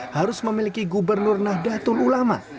harus memiliki gubernur nahdlatul ulama